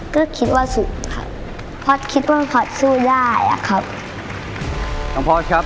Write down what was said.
ก็คิดว่าสุดครับพอดคิดว่าพอดสู้ได้อะครับทางพอดครับ